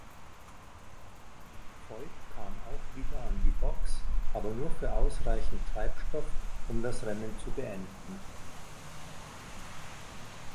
Foyt kam auch wieder an die Box, aber nur für ausreichend Treibstoff, um das Rennen zu beenden.